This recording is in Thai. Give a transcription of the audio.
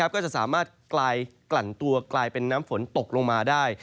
ก็จะสามารถกลายกลั่นตัวกลายเป็นน้ำฝนตกลงมาได้